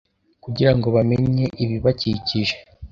kugira ngo bamenye ibibakikije,